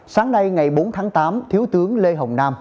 sáng nay ngày bốn tháng tám thiếu tướng lê hồng nam